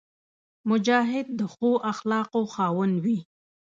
مجاهد د ښو اخلاقو خاوند وي.